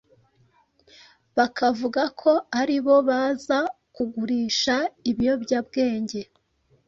bakavuga ko ari bo baza kugurisha ibiyobyabwenge